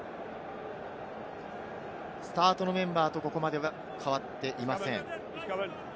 スタートのメンバーとここまでは変わっていません。